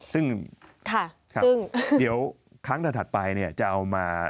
ซึ่งเดี๋ยวครั้งถัดไปเนี่ยจะเอามา